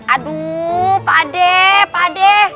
aduh pak adeh